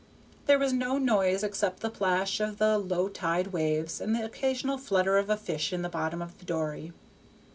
There was no noise except the plash of the low tide waves and the occasional flutter of a fish in the bottom of the dory.